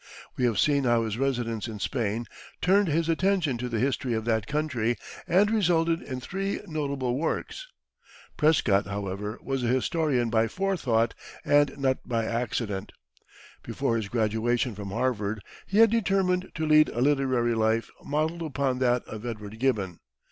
We have seen how his residence in Spain turned his attention to the history of that country and resulted in three notable works. Prescott, however, was a historian by forethought and not by accident. Before his graduation from Harvard, he had determined to lead a literary life modelled upon that of Edward Gibbon.